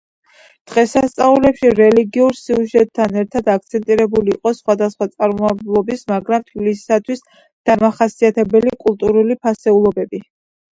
დღესასწაულებში, რელიგიურ სიუჟეტთან ერთად, აქცენტირებული იყო სხვადასხვა წარმომავლობის, მაგრამ თბილისისათვის დამახასიათებელი კულტურული ფასეულობები.